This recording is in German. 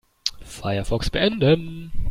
Firefox beenden.